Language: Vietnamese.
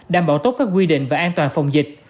đảm bảo tốt các quy định về an toàn phòng dịch